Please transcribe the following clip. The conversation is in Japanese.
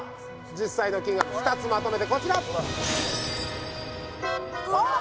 実際の金額２つまとめてこちらあっ！